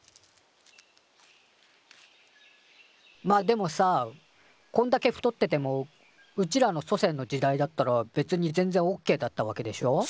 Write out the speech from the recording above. まっでもさこんだけ太っててもうちらの祖先の時代だったら別に全然オッケーだったわけでしょ？